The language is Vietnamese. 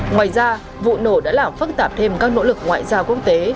ngoài ra vụ nổ đã làm phức tạp thêm các nỗ lực ngoại giao quốc tế